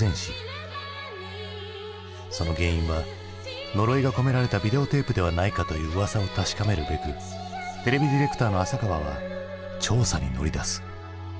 その原因は呪いが込められたビデオテープではないかといううわさを確かめるべくテレビディレクターの浅川は調査に乗り出す。